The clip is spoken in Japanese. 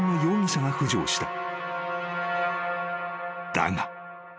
［だが］